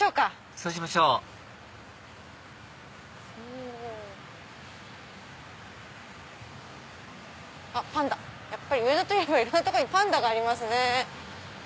そうしましょうあっパンダ！上野といえばいろんな所にパンダがありますね。